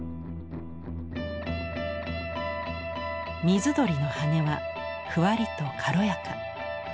水鳥の羽はふわりと軽やか。